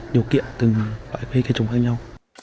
điều kiện từng loại cây trồng khác nhau